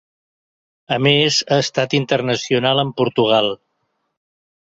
A més ha estat internacional amb Portugal.